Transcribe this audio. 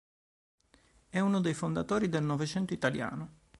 È uno dei fondatori del "Novecento Italiano".